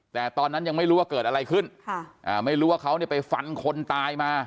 แต่ตอนนั้นยังไม่รู้ว่าเกิดอะไรขึ้นไม่รู้ว่าเขาเนี่ยไปฟันคนตายมา